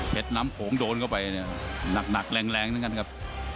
เผ็ดน้ำโขงโดนเข้าไปเนี่ยหนักหนักแรงแรงด้วยกันครับ